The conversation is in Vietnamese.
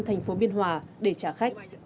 thành phố biên hòa để trả khách